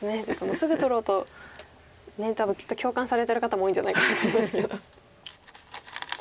すぐ取ろうと多分きっと共感されてる方も多いんじゃないかなと思いますけど。